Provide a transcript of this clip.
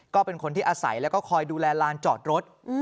ก็เป็นคนที่อาศัยแล้วก็คอยดูแลลานจอดรถ